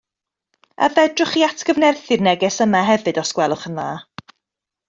A fedrwch chi atgyfnerthu'r neges yma hefyd os gwelwch yn dda?